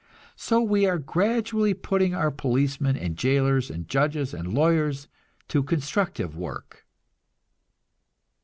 So we are gradually putting our policemen and jailers and judges and lawyers to constructive work.